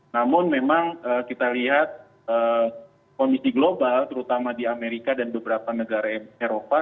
namun memang kita lihat kondisi global terutama di amerika dan beberapa negara eropa